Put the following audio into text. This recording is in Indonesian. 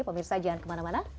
pemirsa jangan kemana mana